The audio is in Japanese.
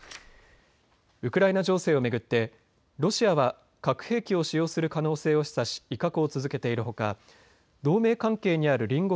ウクライナ情勢を巡ってロシアは核兵器を使用する可能性を示唆し威嚇を続けているほか同盟関係にある隣国